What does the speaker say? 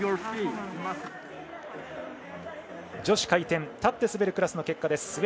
女子回転立って滑るクラスの結果です。